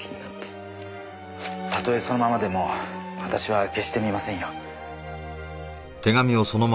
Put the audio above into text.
たとえそのままでも私は決して見ませんよ。